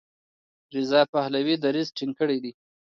رضا پهلوي دریځ ټینګ کړی دی.